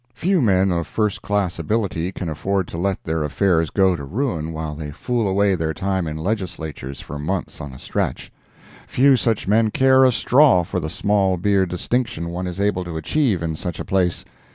Few men of first class ability can afford to let their affairs go to ruin while they fool away their time in Legislatures for months on a stretch. Few such men care a straw for the small beer distinction one is able to achieve in such a place.